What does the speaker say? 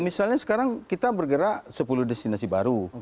misalnya sekarang kita bergerak sepuluh destinasi baru